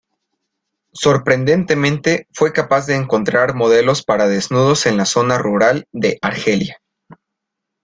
Sorprendentemente, fue capaz de encontrar modelos para desnudos en la zona rural de Argelia.